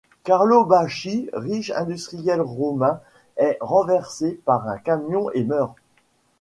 Carlo Bacchi, riche industriel romain est renversé par un camion et meurt.